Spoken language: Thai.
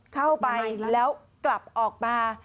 เข้าไปแล้วกลับออกมา